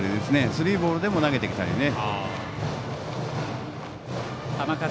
スリーボールでも投げてきたりね。